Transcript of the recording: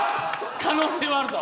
可能性はあるぞ！